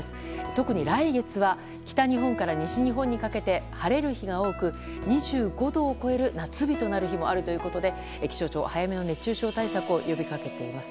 特に来月は北日本から西日本にかけて晴れる日が多く２５度を超える夏日となる日もあるということで気象庁は早めの熱中症対策を呼びかけています。